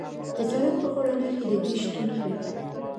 د سړک په غاړه نښې د دې شتون ښیي